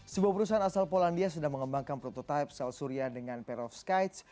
sebuah perusahaan asal polandia sedang mengembangkan prototipe sel surya dengan pair of skytes